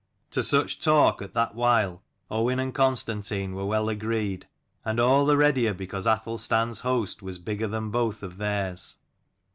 To such talk at that while Owain and Constantine were well agreed, and all the readier because Athelstan's host was bigger than both of theirs.